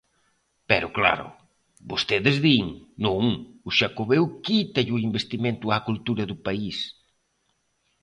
Pero, claro, vostedes din: non, o Xacobeo quítalle o investimento á cultura do país.